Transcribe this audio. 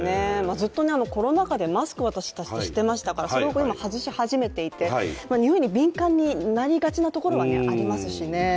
ずっとコロナ禍でマスクを私たちしていましたからそれを外し始めていて、においに敏感になりがちなところはありますしね。